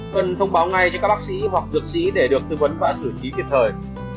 cần thông báo ngay cho các bác sĩ hoặc dược sĩ để được tư vấn và xử trí kịp thời